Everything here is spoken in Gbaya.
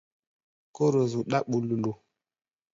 Kóro zuɗá ɓululu.